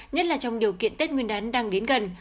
nhất là trong điều kiện tết nguyên đán đang đến gần